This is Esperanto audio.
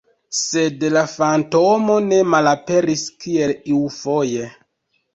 Sed la fantomo ne malaperis, kiel iufoje.